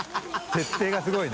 設定がすごいね。